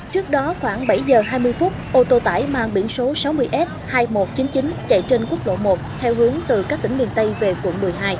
trước đó khoảng bảy giờ hai mươi phút ô tô tải mang biển số sáu mươi s hai nghìn một trăm chín mươi chín chạy trên quốc lộ một